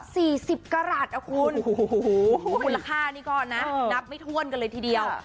สี่สิบกรัฐอ่ะคุณโอ้โหมูลค่านี่ก็นะนับไม่ถ้วนกันเลยทีเดียว